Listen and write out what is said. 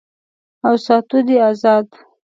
او ساتو دې آزاد